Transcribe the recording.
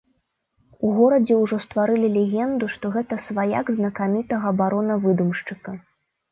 У горадзе ўжо стварылі легенду, што гэта сваяк знакамітага барона-выдумшчыка.